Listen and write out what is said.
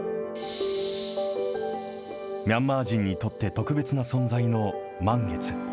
ミャンマー人にとって特別な存在の満月。